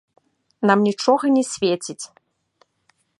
Нам нічога не свеціць.